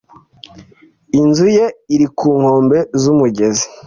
Inzu ye iri ku nkombe z'umugezi.